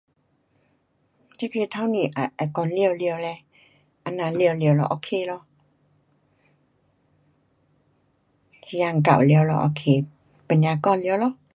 这个刚才也，也讲完了嘞，这样完了咯，ok 咯，时间到了咯，ok，不要讲了咯。